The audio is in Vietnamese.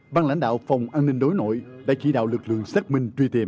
ban lãnh đạo phòng an ninh đối nội đã chỉ đạo lực lượng xác minh truy tìm